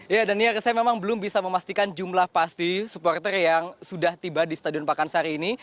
ya daniar saya memang belum bisa memastikan jumlah pasti supporter yang sudah tiba di stadion pakansari ini